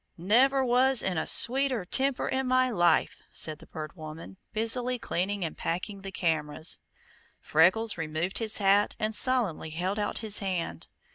"Never was in a sweeter temper in my life," said the Bird Woman, busily cleaning and packing the cameras. Freckles removed his hat and solemnly held out his hand.